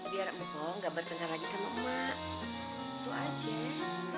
biar mbak pohon gak bertengkar lagi sama mak itu aja